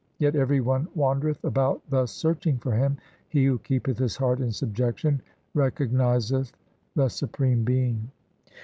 Yet every one wandereth about thus searching for Him. 1 He who keepeth his heart in subjection Recognizeth the Supreme Being.